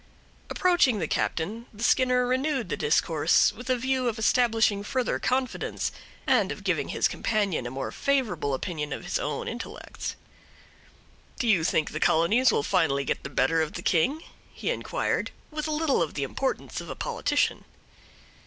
Approaching the captain, the Skinner renewed the discourse, with a view of establishing further confidence, and of giving his companion a more favorable opinion of his own intellects. "Do you think the colonies will finally get the better of the king?" he inquired, with a little of the importance of a politician.